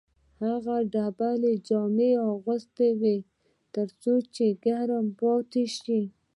هغه ډبلې جامې اغوستې وې تر څو ګرم پاتې شي